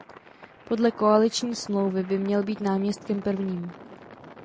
Podle koaliční smlouvy by měl být náměstkem prvním.